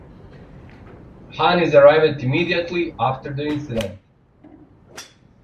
Han is arrested immediately after the incident.